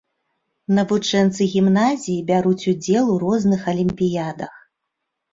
Навучэнцы гімназіі бяруць удзел ў розных алімпіядах.